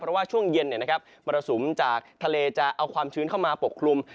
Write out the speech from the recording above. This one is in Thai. เพราะว่าช่วงเย็นมรสุมจากทะเลจะเอาความชื้นเข้ามาปกคลุม